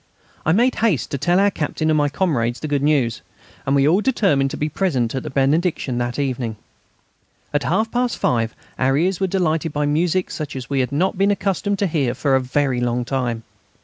I made haste to tell our Captain and my comrades the good news, and we all determined to be present at the Benediction that evening. At half past five our ears were delighted by music such as we had not been accustomed to hear for a very long time.